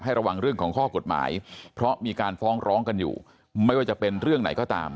ระวังเรื่องของข้อกฎหมายเพราะมีการฟ้องร้องกันอยู่ไม่ว่าจะเป็นเรื่องไหนก็ตาม